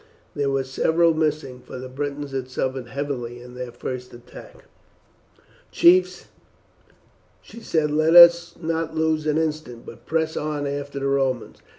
There were several missing, for the Britons had suffered heavily in their first attack. "Chiefs," she said, "let us not lose an instant, but press on after the Romans.